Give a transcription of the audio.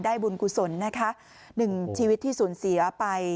บุญกุศลนะคะหนึ่งชีวิตที่สูญเสียไป